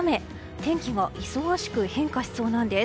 天気が忙しく変化しそうなんです。